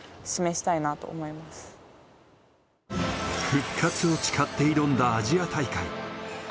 復活を誓って挑んだアジア大会。